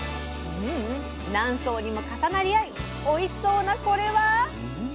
何層にも重なり合いおいしそうなこれは！